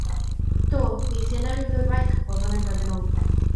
Do, fues i yna ryw ddwy waith cwpl o flynyddoedd yn ôl.